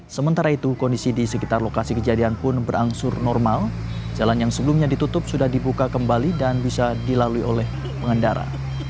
sementara itu kondisi di sekitar lokasi kejadian pun berangsur normal jalan yang sebelumnya ditutup sudah dibuka kembali dan bisa dilalui oleh pengendara